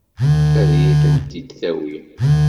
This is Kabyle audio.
Ad iyi-tent-id-tawi?